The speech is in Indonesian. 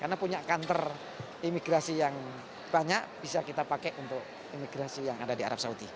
karena punya kantor imigrasi yang banyak bisa kita pakai untuk imigrasi yang ada di arab saudi